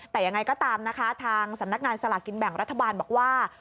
แต่ยังไงก็ตามนะคะทางสำนักงานสลากกินแบ่งรัฐบาลบอกว่า